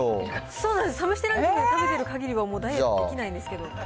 そうなんです、試してランキングで食べてるかぎりは、ダイエットできないですけど。